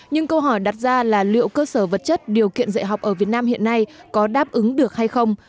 nhưng câu hỏi đặt ra là liệu cơ sở vật chất điều kiện dạy học ở việt nam hiện nay có đáp ứng được hay không